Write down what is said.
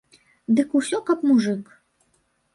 Дык усё каб мужык?